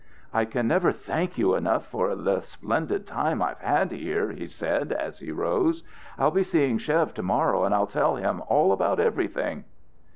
"I can never thank you enough for the splendid time I've had here," he said as he rose. "I'll be seeing Chev to morrow, and I'll tell him all about everything."